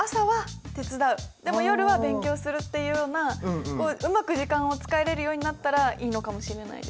でも夜は勉強するっていうようなうまく時間を使えるようになったらいいのかもしれないですけど。